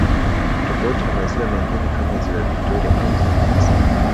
Tofauti na maziwa mengine kama ziwa victoria au ziwa nyasa